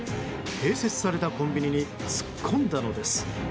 併設されたコンビニに突っ込んだのです。